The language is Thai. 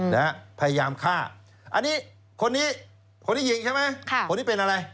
นะฮะพยายามฆ่าอันนี้คนนี้คนที่ยิงใช่ไหมค่ะคนนี้เป็นอะไร